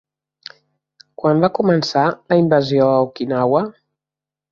Quan va començar la invasió a Okinawa?